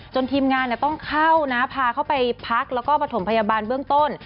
ทีมงานต้องเข้านะพาเข้าไปพักแล้วก็ประถมพยาบาลเบื้องต้น